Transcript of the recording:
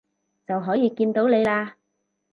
就可以見到你喇